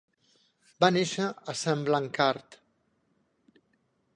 Va néixer a Saint-Blancard.